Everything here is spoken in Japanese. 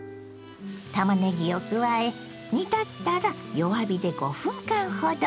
たまねぎを加え煮立ったら弱火で５分間ほど。